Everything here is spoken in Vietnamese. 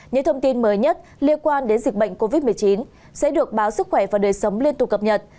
những thông tin mới nhất liên quan đến dịch bệnh covid một mươi chín sẽ được báo sức khỏe và đời sống liên tục cập nhật